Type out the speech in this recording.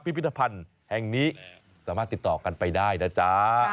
พิพิธภัณฑ์แห่งนี้สามารถติดต่อกันไปได้นะจ๊ะ